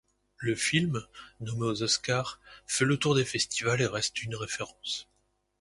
Le film, nommé aux Oscars, fait le tour des festivals et reste une référence.